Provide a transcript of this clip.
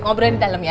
ngobrolin di dalam ya